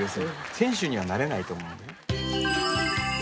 選手にはなれないと思うので。